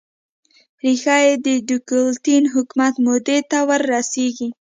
ریښه یې د ډیوکلتین حکومت مودې ته ور رسېږي.